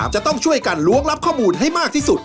จะต้องช่วยกันล้วงรับข้อมูลให้มากที่สุด